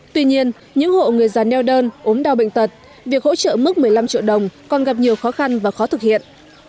tuy nhiên những hộ người già neo đơn ốm đau bệnh tật việc hỗ trợ mức một mươi năm triệu đồng còn gặp nhiều khó khăn và khó thực hiện